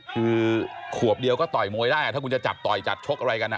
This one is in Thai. คือขวบเดียวก็ต่อยมวยได้ถ้าคุณจะจับต่อยจัดชกอะไรกัน